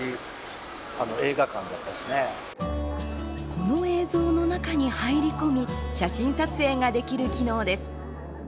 この映像の中に入り込み写真撮影ができる機能です。